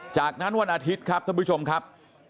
จากนั้นวันอาทิตย์ครับท่านผู้ชมครับ